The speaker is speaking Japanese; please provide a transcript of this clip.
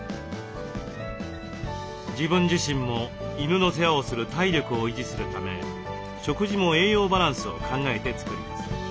自分自身も犬の世話をする体力を維持するため食事も栄養バランスを考えて作ります。